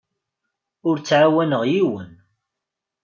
Ur ttɛawaneɣ yiwen.